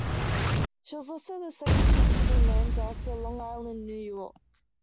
She was also the second ship to be named after Long Island, New York.